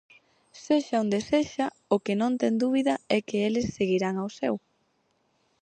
Sexa onde sexa, o que non ten dúbida é que eles seguirán ao seu.